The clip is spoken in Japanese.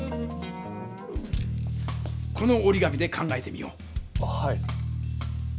このおり紙で考えてみよう。